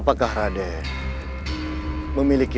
tidak ada alasan dan bukti yang kuat untuk membebaskan raden dari tuduhan